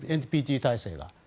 ＮＰＴ体制は。